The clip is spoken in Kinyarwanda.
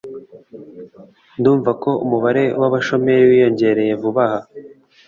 Ndumva ko umubare w'abashomeri wiyongereye vuba aha